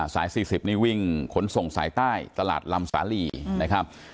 สาย๔๐นี่วิ่งขนส่งสายใต้ตลาดลำสาลีนะครับ